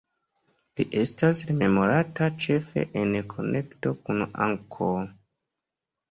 Li estas rememorata ĉefe en konekto kun Angkor.